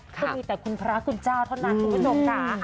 ก็มีแต่คุณพระคุณเจ้าเท่านั้นคุณผู้ชมค่ะ